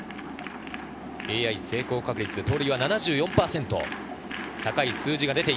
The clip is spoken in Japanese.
ＡＩ成功確率で盗塁は７４％。